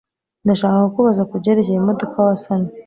Ndashaka kukubaza kubyerekeye imodoka wasannye.